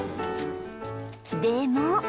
でも